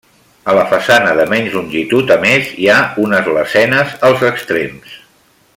A la façana de menys longitud, a més, hi ha unes lesenes als extrems.